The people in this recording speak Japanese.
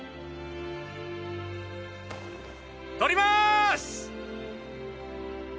撮ります！